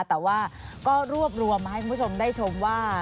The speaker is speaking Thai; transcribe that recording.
แต่ว่าก็รวบรวมมาให้คุณผู้ชมได้ชมว่า